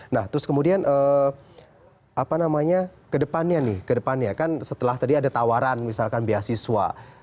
nah terus kemudian apa namanya ke depannya nih ke depannya kan setelah tadi ada tawaran misalkan beasiswa